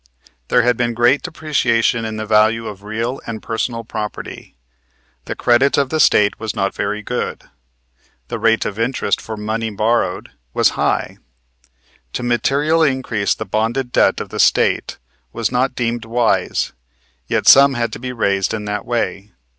There had been great depreciation in the value of real and personal property. The credit of the State was not very good. The rate of interest for borrowed money was high. To materially increase the bonded debt of the State was not deemed wise, yet some had to be raised in that way.